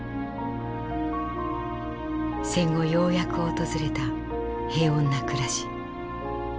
戦後ようやく訪れた平穏な暮らし。